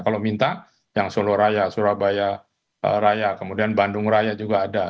kalau minta yang solo raya surabaya raya kemudian bandung raya juga ada